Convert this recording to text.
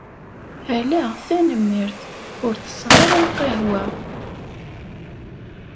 Ala tanemmirt, ur tesseɣ ara lqahwa.